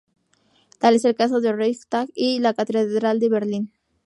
Tal es el caso del Reichstag y la Catedral de Berlín.